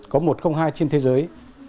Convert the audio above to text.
có một không hai trên thế giới